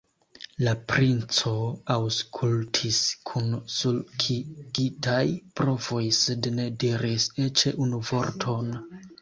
La princo aŭskultis kun sulkigitaj brovoj, sed ne diris eĉ unu vorton.